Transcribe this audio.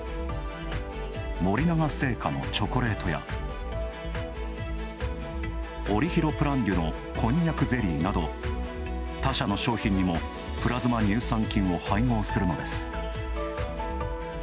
森永製菓のチョコレートやオリヒロプランデュの、こんにゃくゼリーなど他社の商品にもプラズマ乳酸菌を配合するのです。